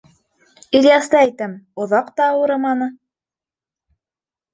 -Ильясты, әйтәм, оҙаҡ та ауырыманы.